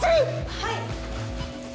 はい。